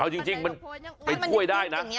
เอาจริงเป็นถ้วยได้นะ